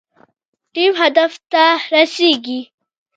ټیم هدف ته رسیږي